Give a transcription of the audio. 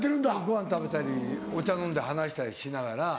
ごはん食べたりお茶飲んで話したりしながら。